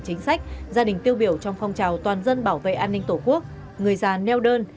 chính sách gia đình tiêu biểu trong phong trào toàn dân bảo vệ an ninh tổ quốc người già neo đơn